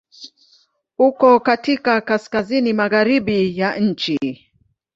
Uko katika Kaskazini magharibi ya nchi.